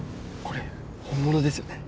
これ本物ですよね？